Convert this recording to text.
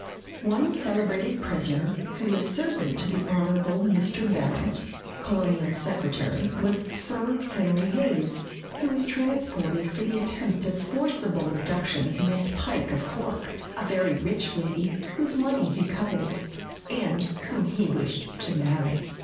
One celebrated prisoner who was servant to the Hon. Mr. Barrett, colonial secretary, was Sir Henry Hayes, who was transported SKETCHES OF TRAVEL for the attempted forcible abduction of Miss Pike of Cork, a very rich lady, whose money he coveted, and whom he wished to marry.